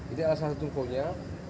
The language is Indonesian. ini adalah salah satu rukunya